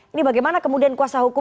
ini bagaimana kemudian kuasa hukum